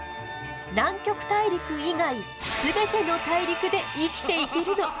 南極大陸以外すべての大陸で生きていけるの。